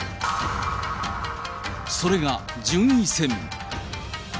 それが順位戦。